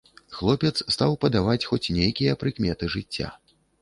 Хлопец стаў падаваць хоць нейкія прыкметы жыцця.